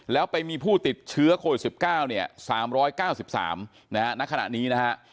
แล้วไปมีผู้ติดเชื้อโควิด๑๙๓๙๓ณขณะนี้นะครับ